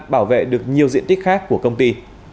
bảo vệ được nhiều diện tích khác của công ty